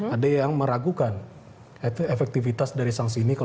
ada yang meragukan efektivitas dari struktur administratif